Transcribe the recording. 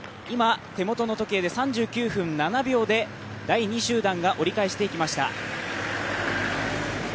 今、手元の時計で３９分７秒で第２集団が折り返していきました。